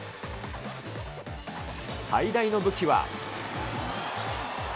最大の武器は。